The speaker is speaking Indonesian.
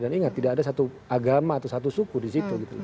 dan ingat tidak ada satu agama atau satu suku di situ